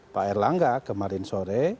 pak erlangga kemarin sore